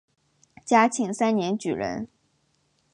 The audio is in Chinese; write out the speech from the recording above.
嘉庆三年举人。